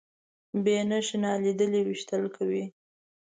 بې نښې نالیدلي ویشتل کوي.